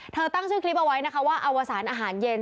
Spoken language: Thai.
ตั้งชื่อคลิปเอาไว้นะคะว่าอวสารอาหารเย็น